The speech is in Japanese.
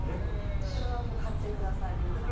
これは買ってください皆さん。